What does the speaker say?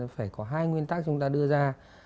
phải có hai nguyên tắc chúng ta đưa ra